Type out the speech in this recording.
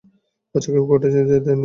বাচ্চাকে কোর্টে কেন যেতে হবে?